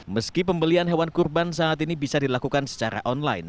meski pembelian hewan kurban saat ini bisa dilakukan secara online